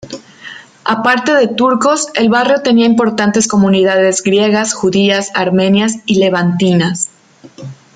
Aparte de turcos, el barrio tenía importantes comunidades griegas, judías, armenias y levantinas.